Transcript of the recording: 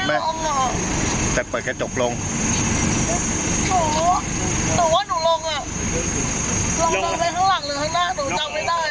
ออกมาแล้วก็จะขับจะขับขับลงแล้วอ่ะแล้วเอาเข้าไป